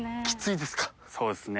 そうですね。